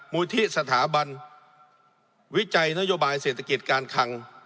มูลที่สถาบันวิจัยนโยบายเศรษฐกิจการคัง